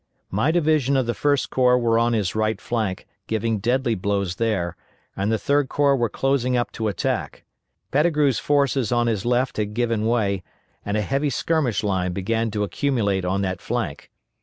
My division of the First Corps were on his right flank, giving deadly blows there, and the Third Corps were closing up to attack. Pettigrew's forces on his left had given way, and a heavy skirmish line began to accumulate on that flank.